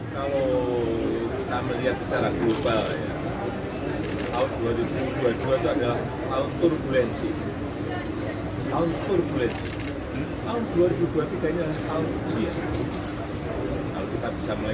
kalau kita melihat secara global tahun dua ribu dua puluh dua itu adalah tahun turbulensi